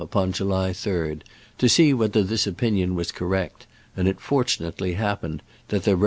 upon July 3, to see whether this opinion was correct, and it fortunately happened that the Rev. A.